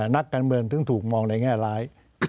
นักการเมืองถึงถูกมองในแง่ร้าย